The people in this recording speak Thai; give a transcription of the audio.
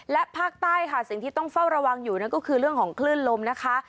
และภาคใต้ค่ะสิ่งที่ต้องเฝ้าระวังอยู่นั่นก็คือเรื่องของคลื่นลมนะคะ